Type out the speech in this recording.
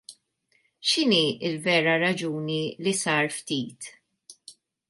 X'inhi l-vera raġuni li sar ftit?